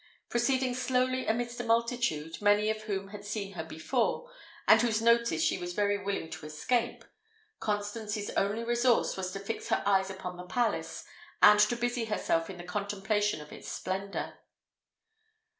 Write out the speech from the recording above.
Proceeding slowly amidst a multitude, many of whom had seen her before, and whose notice she was very willing to escape, Constance's only resource was to fix her eyes upon the palace, and to busy herself in the contemplation of its splendour.